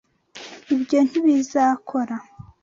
Ibyo ntibizakora!